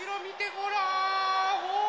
ほら！